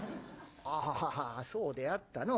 「ああそうであったのう。